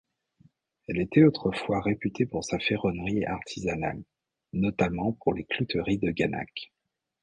Elle était autrefois réputée pour sa ferronnerie artisanale, notamment pour les clouteries de Ganac.